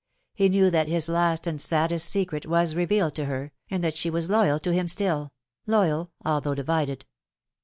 He knew that his last and saddest secret was revealed to her, and that she was loyal to him still loyal although divided.